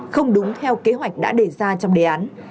không đúng theo kế hoạch đã đề ra trong đề án